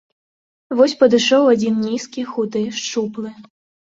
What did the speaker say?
Вось падышоў адзін нізкі, худы, шчуплы.